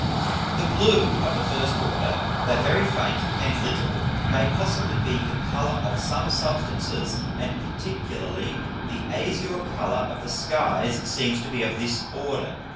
The blue of the first Order, though very faint and little, may possibly be the Colour of some Substances; and particularly the azure Colour of the Skies seems to be of this Order.